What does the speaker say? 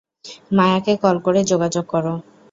মায়াকে কল করে যোগাযোগ করো।